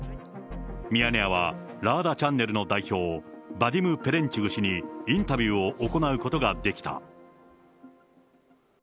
ミヤネ屋は、ラーダチャンネルの代表、ヴァディム・ペレンチュグ氏にインタビューを行うことができた。